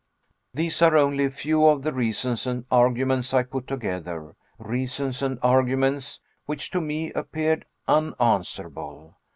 These are only a few of the reasons and arguments I put together reasons and arguments which to me appeared unanswerable.